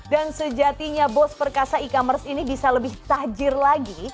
dan sejatinya bos perkasa e commerce ini bisa lebih tajir lagi